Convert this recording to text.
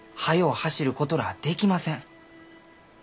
走ることらあできません。